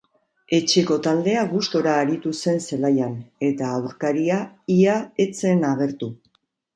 Etxeko taldea gustora aritu zen zelaian, eta aurkaria ia ez zen agertu.